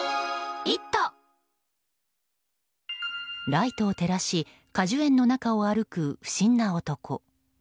ライトを照らし果樹園の中を歩く不審な男。